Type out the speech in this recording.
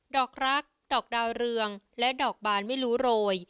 อกรักดอกดาวเรืองและดอกบานไม่รู้โรย